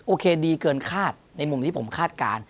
โอเคดีเกินคาดในมุมที่ผมคาดการณ์